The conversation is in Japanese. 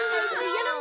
やろう！